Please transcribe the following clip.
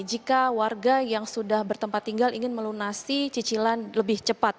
jika warga yang sudah bertempat tinggal ingin melunasi cicilan lebih cepat